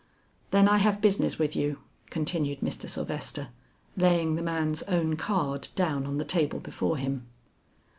"Then I have business with you," continued Mr. Sylvester, laying the man's own card down on the table before him.